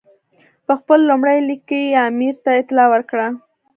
په خپل لومړي لیک کې یې امیر ته اطلاع ورکړه.